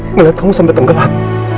ngeliat kamu sampai tenggelam